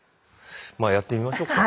まあやってみましょうか。